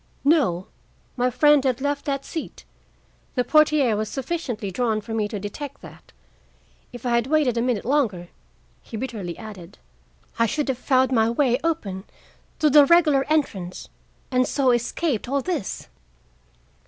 "No, my friend had left that seat. The portiere was sufficiently drawn for me to detect that. If I had waited a minute longer," he bitterly added, "I should have found my way open to the regular entrance, and so escaped all this."